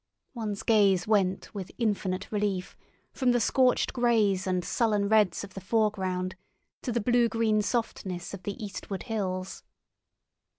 One's gaze went with infinite relief from the scorched greys and sullen reds of the foreground to the blue green softness of the eastward hills.